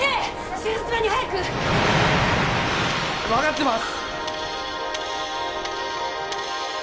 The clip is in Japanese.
手術場に早く分かってます